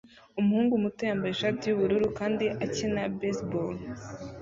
Umuhungu muto yambaye ishati yubururu kandi akina baseball